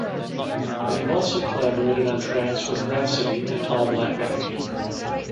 They have also collaborated on tracks with Rapsody and Tall Black Guy.